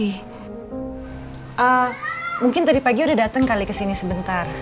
eh mungkin tadi pagi udah dateng kali kesini sebentar